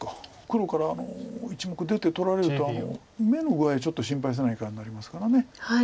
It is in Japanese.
黒から１目出て取られると眼の具合ちょっと心配せないかんなりますから。